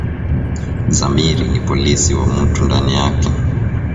Zamiri ni polisi wa mutu ndani yake